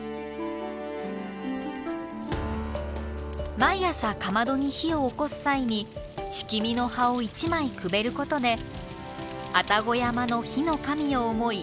毎朝かまどに火をおこす際に樒の葉を１枚くべることで愛宕山の火の神を思い